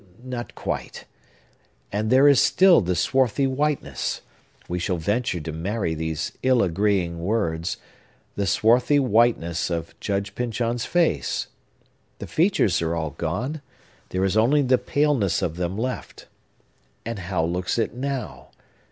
—not quite! And there is still the swarthy whiteness,—we shall venture to marry these ill agreeing words,—the swarthy whiteness of Judge Pyncheon's face. The features are all gone: there is only the paleness of them left. And how looks it now?